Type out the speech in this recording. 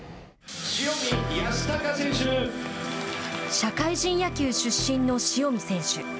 社会人野球出身の塩見選手。